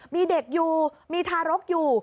มีเด็กอยู่มีทารกอยู่